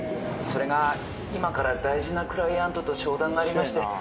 それが今から大事なクライアントと商談がありまして。